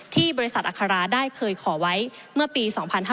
ที่บริษัทอัคราได้เคยขอไว้เมื่อปี๒๕๕๙